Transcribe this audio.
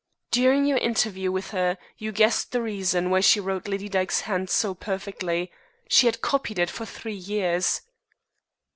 During your interview with her you guessed the reason why she wrote Lady Dyke's hand so perfectly. She had copied it for three years."